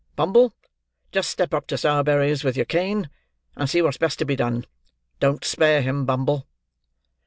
Bumble, just step up to Sowerberry's with your cane, and see what's best to be done. Don't spare him, Bumble."